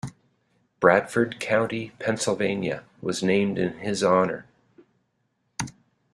Bradford County, Pennsylvania, was named in his honor.